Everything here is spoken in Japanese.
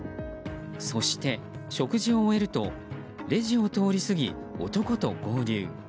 そして、食事を終えるとレジを通り過ぎ、男と合流。